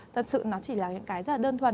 thật sự nó chỉ là những cái rất là đơn thuần